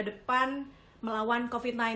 depan melawan covid sembilan belas